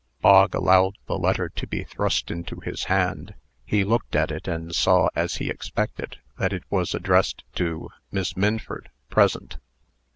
Bog allowed the letter to be thrust into his hand. He looked at it, and saw, as he expected, that it was addressed to "Miss Minford, Present."